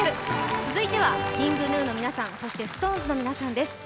続いてはＫｉｎｇＧｎｕの皆さん、そしてＳｉｘＴＯＮＥＳの皆さんです。